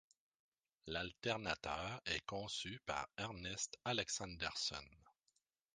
L'alternateur est conçu par Ernst Alexanderson.